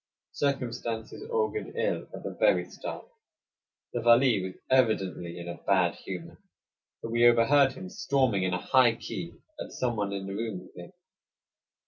Circumstances augured ill at the very start. The Vali was evidently in a bad humor, for we overheard him storming in a high key at some one in the room with him.